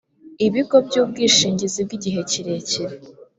ibigo by ubwishingizi bw igihe kirekire